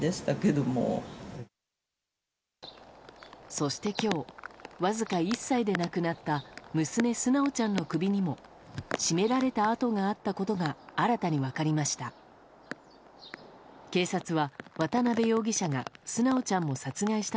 そして今日、わずか１歳で亡くなった娘・純ちゃんの首にも絞められた痕があったことが新たに分かりました。